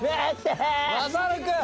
まさるくん！